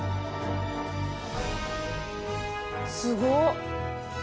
すごっ。